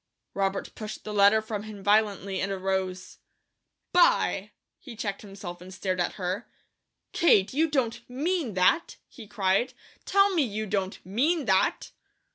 Robert pushed the letter from him violently, and arose "By !" he checked himself and stared at her. "Kate, you don't MEAN that!" he cried. "Tell me, you don't MEAN that!"